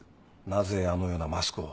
なぜあのようなマスクを？